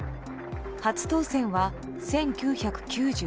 初当選は１９９３年。